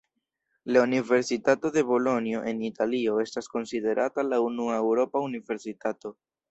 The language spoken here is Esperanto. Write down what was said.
La Universitato de Bolonjo en Italio estas konsiderata la unua eŭropa universitato.